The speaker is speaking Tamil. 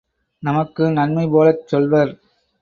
நமக்கு நன்மைபோலச் சொல்வர்!